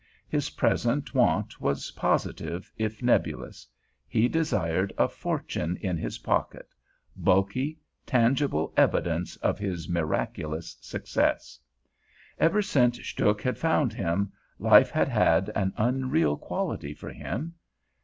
His present want was positive, if nebulous; he desired a fortune in his pocket, bulky, tangible evidence of his miraculous success. Ever since Stuhk had found him, life had had an unreal quality for him.